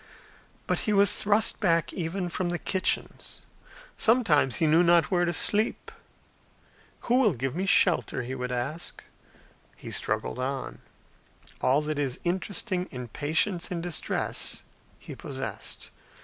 But he was thrust back even from the kitchens. Sometimes he knew not where to sleep. "Who will give me shelter?" he would ask. He struggled on. All that is interesting in patience in distress he possessed.